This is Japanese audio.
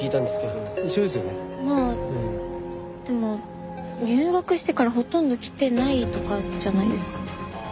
でも入学してからほとんど来てないとかじゃないですか？